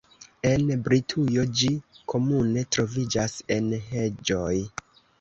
En Britujo ĝi komune troviĝas en heĝoj.